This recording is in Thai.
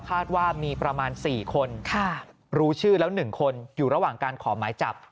คาดว่ามีประมาณ๔คนรู้ชื่อแล้ว๑คนอยู่ระหว่างการขอหมายจับ